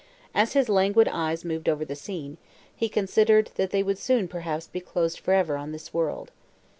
As his languid eyes moved over the scene, he considered, that they would soon, perhaps, be closed for ever on this world.